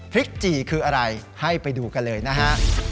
พริกจี่คืออะไรให้ไปดูกันเลยนะฮะ